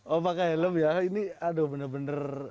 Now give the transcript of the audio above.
oh pakai helm ya ini aduh bener bener